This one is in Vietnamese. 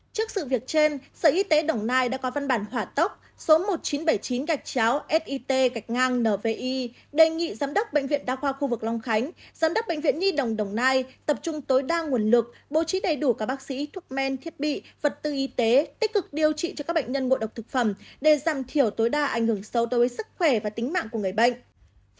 trước sự việc trên sở y tế đồng nai đã có văn bản hỏa tốc số một nghìn chín trăm bảy mươi chín sit nvi đề nghị giám đốc bệnh viện đa khoa khu vực long khánh giám đốc bệnh viện nhi đồng đồng nai tập trung tối đa nguồn lực bố trí đầy đủ các bác sĩ thuốc men thiết bị vật tư y tế tích cực điều trị cho các bệnh nhân ngộ độc thực phẩm để giảm thiểu tối đa ảnh hưởng sâu đối với sức khỏe và tính mạng của người bệnh